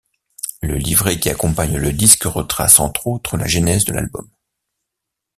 Le livret qui accompagne le disque retrace entre autres la genèse de l'album.